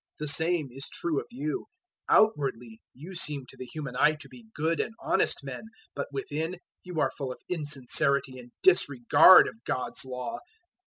023:028 The same is true of you: outwardly you seem to the human eye to be good and honest men, but, within, you are full of insincerity and disregard of God's Law.